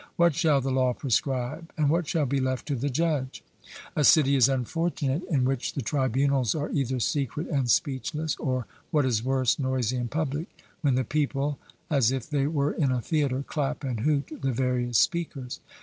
What shall the law prescribe, and what shall be left to the judge? A city is unfortunate in which the tribunals are either secret and speechless, or, what is worse, noisy and public, when the people, as if they were in a theatre, clap and hoot the various speakers.